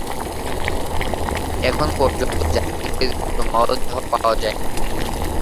এখন পর্যন্ত যাত্রীদের কোন মরদেহ পাওয়া যায়নি।